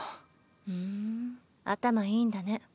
ふん頭いいんだね。